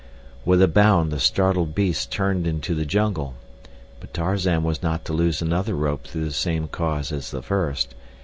With a bound the startled beast turned into the jungle, but Tarzan was not to lose another rope through the same cause as the first.